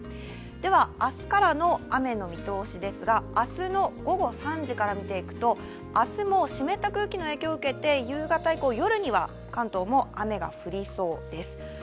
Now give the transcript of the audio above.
明日からの雨の見通しですが、明日の午後３時から見ていくと、明日も湿った空気の影響を受けて夕方以降、夜には関東も雨が降りそうです。